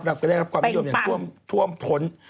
ครับผมได้ครับความนิยมท่วมท้น